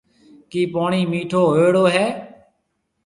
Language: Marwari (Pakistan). ڪيَ پوڻِي مِٺو هويوڙو هيَ۔